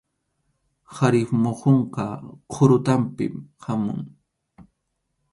Qharip muhunqa qʼurutanpi hamun.